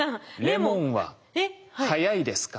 レモンは速いですか？